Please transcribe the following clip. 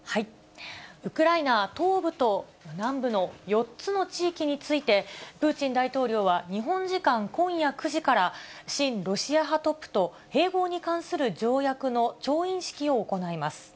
ウクライナ東部と南部の４つの地域について、プーチン大統領は日本時間今夜９時から、親ロシア派トップと併合に関する条約の調印式を行います。